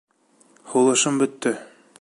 Һулышым бөттө.